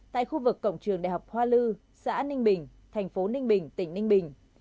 tại khu vực cổng trường đại học hoa lư xã ninh bình thành phố ninh bình tỉnh ninh bình